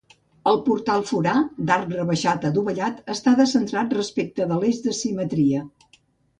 El portal forà, d’arc rebaixat adovellat, està descentrat respecte de l’eix de simetria.